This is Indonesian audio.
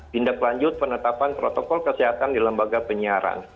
tindak lanjut penetapan protokol kesehatan di lembaga penyiaran